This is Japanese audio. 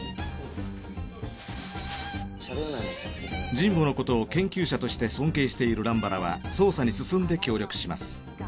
神保のことを研究者として尊敬している乱原は捜査に進んで協力します。